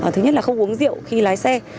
thứ nhất là không uống rượu khi lái xe